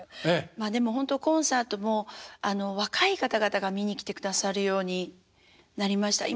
まあでもほんとコンサートも若い方々が見に来てくださるようになりました。